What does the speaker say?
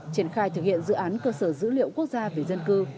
triển khai thực hiện dự án cơ sở dữ liệu quốc gia về dân cư